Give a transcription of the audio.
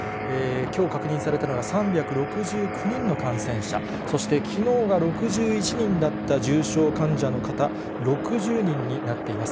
きょう確認されたのが、３６９人の感染者、そして、きのうが６１人だった重症患者の方、６０人になっています。